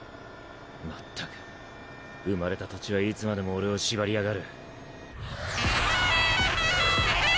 まったく生まれた土地はいつまでも俺を縛りやがる。